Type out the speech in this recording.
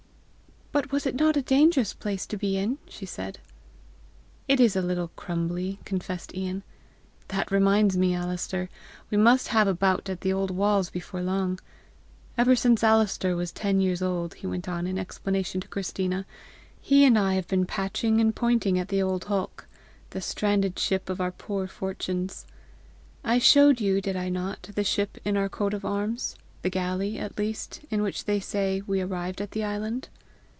"But was it not a dangerous place to be in?" she said. "It is a little crumbly!" confessed Ian. " That reminds me, Alister, we must have a bout at the old walls before long! Ever since Alister was ten years old," he went on in explanation to Christina, "he and I have been patching and pointing at the old hulk the stranded ship of our poor fortunes. I showed you, did I not, the ship in our coat of arms the galley at least, in which, they say, we arrived at the island?"